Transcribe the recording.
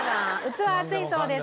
器熱いそうです。